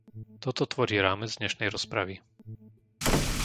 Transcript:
Toto tvorí rámec dnešnej rozpravy.